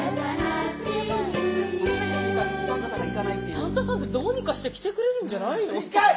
サンタさんってどうにかして来てくれるんじゃないの？